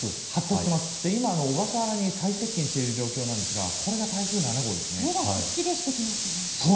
今、小笠原に最接近している状況ですが目がはっきりしてきましたね。